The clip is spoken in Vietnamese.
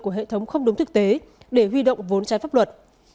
của hệ thống không đúng thực tế để huy động vốn trái pháp luật